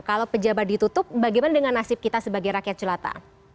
kalau pejabat ditutup bagaimana dengan nasib kita sebagai rakyat jelata